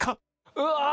うわ！